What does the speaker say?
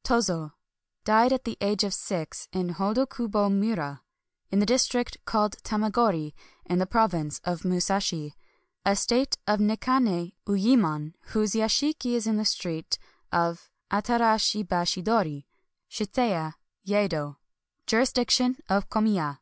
^ Tozo. — Died at the age of six in Hodo kubo mura, in tlie district called Tamagori in the province of Musashi. Estate of Nakane Uyemon, whose yashiki is in the street Ata rashi bashi dori, Shitaya, Yedo. Jurisdiction of Komiya.